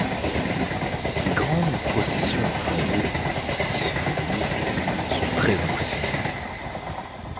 Les grandes processions au flambeau, qui se font de nuit, sont très impressionnantes.